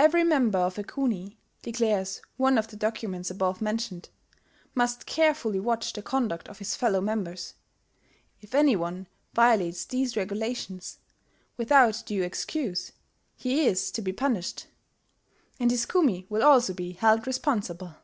"Every member of a kumi," declares one of the documents above mentioned, "must carefully watch the conduct of his fellow members. If any one violates these regulations, without due excuse, he is to be punished; and his kumi will also be held responsible."